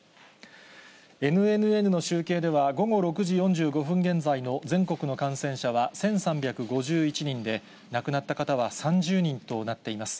ＮＮＮの集計では、午後６時４５分現在の全国の感染者は１３５１人で、亡くなった方は３０人となっています。